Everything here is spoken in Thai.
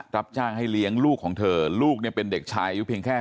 รับจ้างให้เลี้ยงลูกของเธอลูกเนี่ยเป็นเด็กชายอายุเพียงแค่